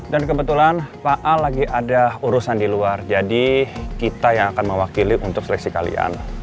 dan kebetulan pak al lagi ada urusan di luar jadi kita yang akan mewakili untuk seleksi kalian